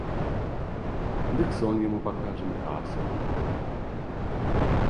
Дык сон яму пакажам, казку.